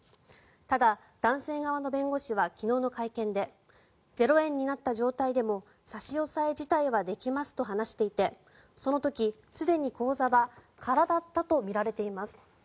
ただ、男性側の弁護士は昨日の会見で０円になった状態でも差し押さえ自体はできますと話していてその時、すでに口座は空だったとみられています。